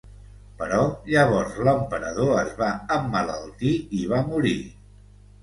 Però llavors l'emperador es va emmalaltir i va morir.